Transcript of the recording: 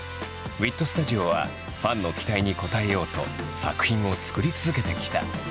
ＷＩＴＳＴＵＤＩＯはファンの期待に応えようと作品を作り続けてきた。